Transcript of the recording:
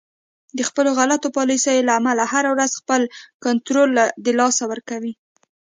د خپلو غلطو پالیسیو له امله هر ورځ خپل کنترول د لاسه ورکوي